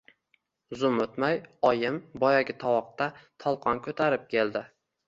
Zum o‘tmay oyim boyagi tovoqda tolqon ko‘tarib keldi.